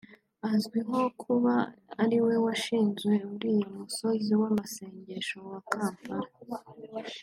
azwiho kuba ariwe washinze uriya musozi w’amasengesho wa Kampala